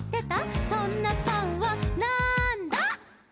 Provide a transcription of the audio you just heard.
「そんなパンはなんだ？」